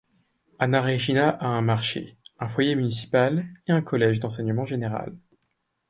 Anna Regina a un marché, un foyer municipal et un collège d'enseignement général.